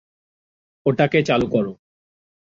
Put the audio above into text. ওটাকে চালু করো!